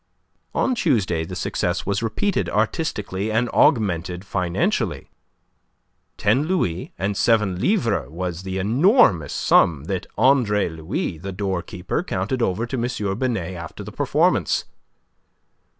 On Tuesday the success was repeated artistically and augmented financially. Ten louis and seven livres was the enormous sum that Andre Louis, the doorkeeper, counted over to M. Binet after the performance.